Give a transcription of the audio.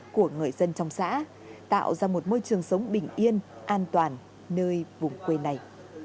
của người dân trong xã tạo ra một môi trường sống bình yên an toàn nơi vùng quê này